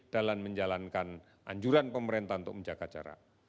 dalam menjalankan anjuran pemerintah untuk menjaga jarak